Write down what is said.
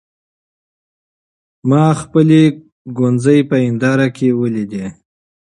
ما خپلې ګونځې په هېنداره کې وليدې.